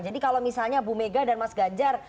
jadi kalau misalnya bu mega dan mas ganjar